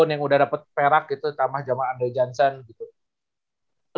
yang udah dapet perak gitu sama jamaah andre jansen gitu